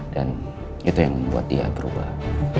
dan itu yang membuat dia berubah